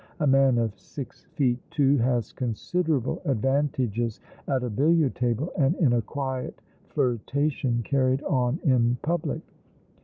A man of six feet two has considerable advantages at a billiard table, and in a quiet flirtation carried on in public.